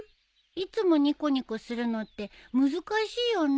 いつもニコニコするのって難しいよね？